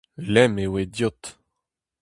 Lemm eo e deod.